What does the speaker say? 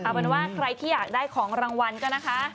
เอาเป็นว่าใครที่อยากได้ของรางวัลก็นะคะ